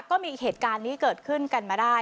ก็มีเหตุการณ์นี้เกิดขึ้นกันมาได้